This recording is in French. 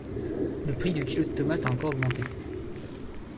Le prix du kilo de tomates a encore augmenté.